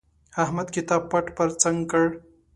احمد کتاب پټ پر څنګ کړ.